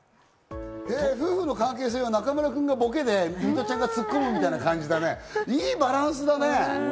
夫婦の関係性は、中村君がボケで、水卜さんがツッコミなんだね、いいバランスだね。